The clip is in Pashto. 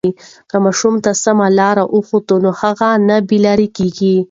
که ماشوم ته سمه لاره وښیو نو هغه نه بې لارې کېږي.